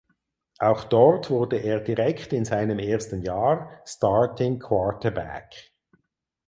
Auch dort wurde er direkt in seinem ersten Jahr Starting Quarterback.